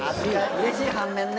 うれしい半面ね。